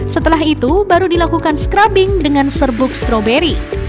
setelah itu baru dilakukan scrubbing dengan serbuk stroberi